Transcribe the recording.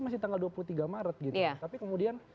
masih tanggal dua puluh tiga maret gitu tapi kemudian